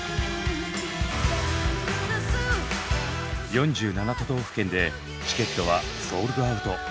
４７都道府県でチケットはソールドアウト。